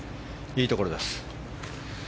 いいところです。